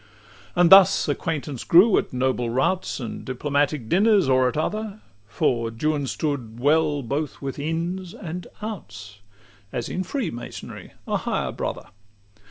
XXIV And thus acquaintance grew, at noble routs, And diplomatic dinners, or at other For Juan stood well both with Ins and Outs, As in freemasonry a higher brother.